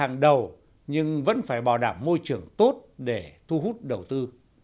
đặt lên hàng đầu nhưng vẫn phải bảo đảm môi trường tốt để thu hút đầu tư